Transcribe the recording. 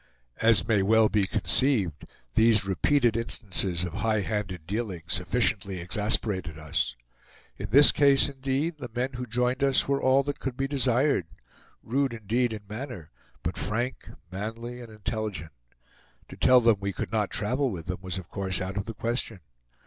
As may well be conceived, these repeated instances of high handed dealing sufficiently exasperated us. In this case, indeed, the men who joined us were all that could be desired; rude indeed in manner, but frank, manly, and intelligent. To tell them we could not travel with them was of course out of the question.